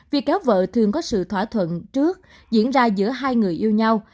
việc kéo vợ thường có sự thỏa thuận trước diễn ra giữa hai người yêu nhau